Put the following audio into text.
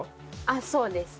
あっそうです。